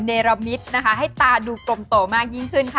เนรมิตนะคะให้ตาดูกลมโตมากยิ่งขึ้นค่ะ